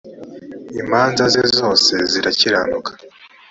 imanza ze zose zirakiranuka